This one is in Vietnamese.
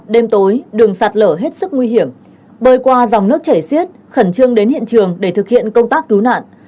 đêm tối đường sạt lở hết sức nguy hiểm bơi qua dòng nước chảy xiết khẩn trương đến hiện trường để thực hiện công tác cứu nạn